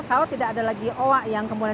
kalau tidak ada lagi owa yang kembunan